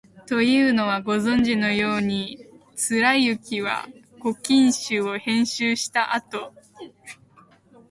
というのは、ご存じのように、貫之は「古今集」を編集したあと、